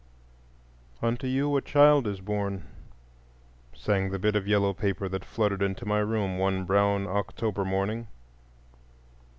"Unto you a child is born," sang the bit of yellow paper that fluttered into my room one brown October morning.